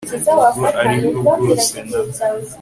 ubwo ari bwo bwose na